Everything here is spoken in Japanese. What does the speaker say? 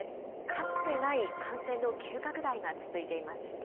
かつてない感染の急拡大が続いています。